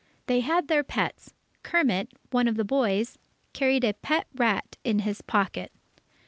They had their pets Kermit, one of the boys, carried a pet rat in his pocket.